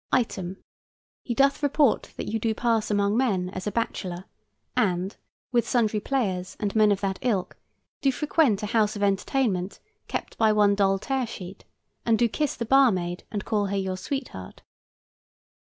Item. He doth report that you do pass among men as a bachelor, and, with sundry players and men of that ilk, do frequent a house of entertainment kept by one Doll Tearsheet, and do kiss the barmaid and call her your sweetheart.